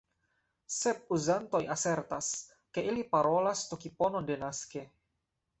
Sep uzantoj asertas, ke ili parolas tokiponon denaske.